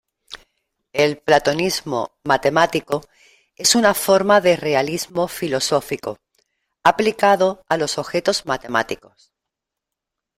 El platonismo matemático es una forma de realismo filosófico, aplicado a los objetos matemáticos.